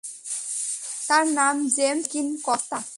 তার নাম James Makin Costa.